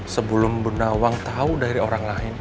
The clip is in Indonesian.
sebelum bunda wang tahu dari orang lain